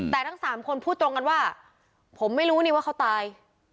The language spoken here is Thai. แต่ทั้งสามคนพูดตรงกันว่าผมไม่รู้นี่ว่าเขาตาย